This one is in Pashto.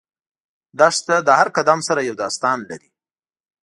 دښته له هر قدم سره یو داستان لري.